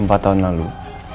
empat tahun lalu